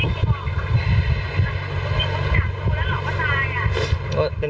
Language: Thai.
จับดูแล้วหรอว่าตายอ่ะ